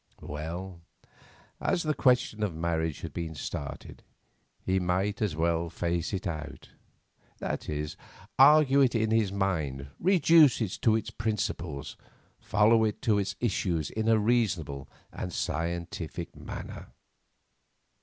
Well, as the question of marriage had been started, he might as well face it out; that is, argue it in his mind, reduce it to its principles, follow it to its issues in a reasonable and scientific manner.